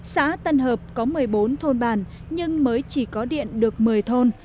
sã tân hập có một mươi bốn thôn bảng nhưng mới chỉ có điện được một mươi thôn